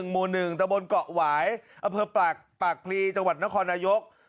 ๒๑๒๑ม๑ตะบนเกาะหวายอเผลอปากปากลีจังหวัดนครนโยค